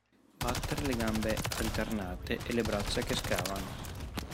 Battere le gambe alternate e le braccia che scavano